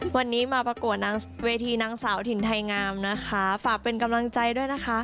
วันนี้มาประกวดนางเวทีนางสาวถิ่นไทยงามนะคะฝากเป็นกำลังใจด้วยนะคะ